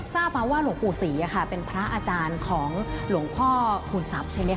ทราบมาว่าหลวงปู่ศรีเป็นพระอาจารย์ของหลวงพ่อปู่สับใช่ไหมค